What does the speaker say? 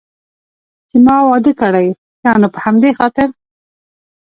چې ما واده کړی، ښه نو په همدې خاطر.